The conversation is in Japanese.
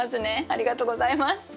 ありがとうございます。